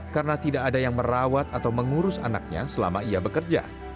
karena tidak ada yang merawat atau mengurus anaknya selama ia bekerja